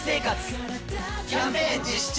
キャンペーン実施中！